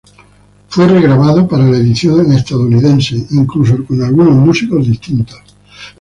Fue re-grabado para la edición estadounidense, incluso con algunos músicos distintos.